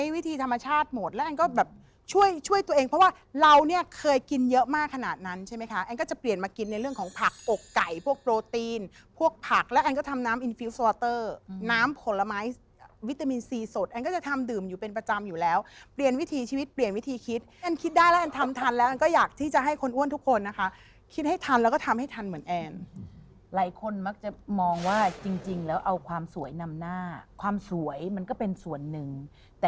วิธีธรรมชาติหมดและแอนก็แบบช่วยตัวเองเพราะว่าเราเนี่ยเคยกินเยอะมากขนาดนั้นใช่ไหมคะแอนก็จะเปลี่ยนมากินในเรื่องของผักอกไก่พวกโปรตีนพวกผักและแอนก็ทำน้ำน้ำผลไม้วิตามินซีสดแอนก็จะทำดื่มอยู่เป็นประจำอยู่แล้วเปลี่ยนวิธีชีวิตเปลี่ยนวิธีคิดแอนคิดได้และแอนทำทันและแอนก็อยากที่จะให้คนอ้วนทุ